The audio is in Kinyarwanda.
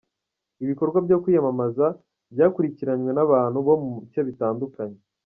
Ibikorwa byo kwiyamamaza byakurikiranywe n’abantu bo mu bice bitandukanye.